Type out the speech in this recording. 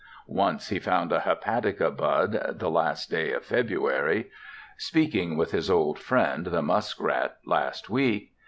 Once he found a hepatica bud the last day of February.... Speaking with his old friend, the muskrat, last week....